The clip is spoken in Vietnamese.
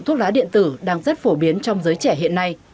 thuốc lá điện tử đang rất phổ biến trong giới trẻ hiện nay